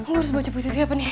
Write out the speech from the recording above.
gue harus baca puisi siapa nih